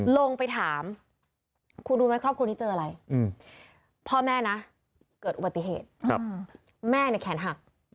ลงไปถามคุณรู้ไหมครอบครัวนี้เจออะไรพ่อแม่นะเกิดอุบัติเหตุแม่เนี่ยแขนหัก